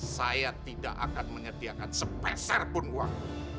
saya tidak akan menyediakan sepeserpun uang